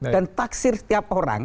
dan taksir setiap orang